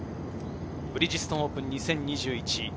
ブリヂストンオープン２０２１。